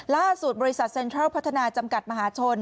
บริษัทเซ็นทรัลพัฒนาจำกัดมหาชน